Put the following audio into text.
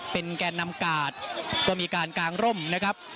เป็นแก่นำกาดก็มีการกางร่มนะครับ